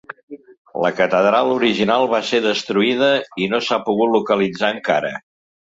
La catedral original va ser destruïda i no s'ha pogut localitzar encara.